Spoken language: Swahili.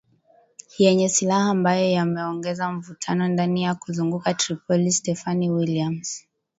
yenye silaha ambayo yameongeza mvutano ndani na kuzunguka Tripoli Stephanie Williams